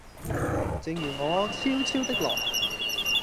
正如我悄悄的來